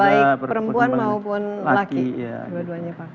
baik perempuan maupun laki dua duanya pak